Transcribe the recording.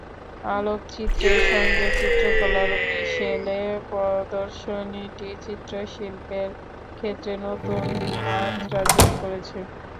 আলোকচিত্রের সঙ্গে চিত্রকলার মিশেলে প্রদর্শনীটি দৃশ্যশিল্পের ক্ষেত্রে নতুন মাত্রা যোগ করেছে।